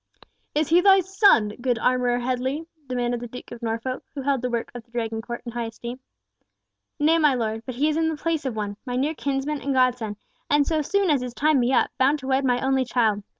"Is he thy son, good Armourer Headley?" demanded the Duke of Norfolk, who held the work of the Dragon court in high esteem. "Nay, my Lord Duke, but he is in the place of one, my near kinsman and godson, and so soon as his time be up, bound to wed my only child!